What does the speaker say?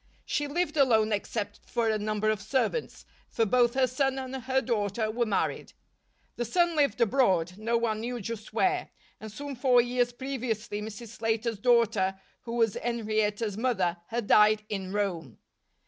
She lived alone except for a number of servants; for both her son and her daughter were married. The son lived abroad, no one knew just where; and some four years previously Mrs. Slater's daughter, who was Henrietta's mother, had died in Rome.